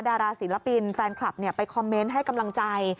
ดาราศิลปินแฟนคลับไปคอมเมนต์ให้กำลังใจ